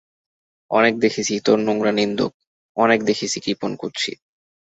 অনেক দেখেছি ইতর নোংরা নিন্দুক, অনেক দেখেছি কৃপণ কুৎসিত।